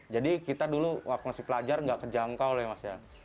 jadi kita dulu waktu masih belajar nggak kejangkau oleh masyarakat